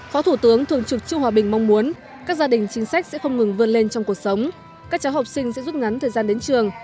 phó thủ tướng thường trực trương hòa bình mong muốn các gia đình chính sách sẽ không ngừng vươn lên trong cuộc sống các cháu học sinh sẽ rút ngắn thời gian đến trường